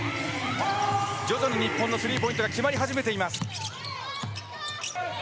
徐々に日本のスリーポイントが決まり始めています。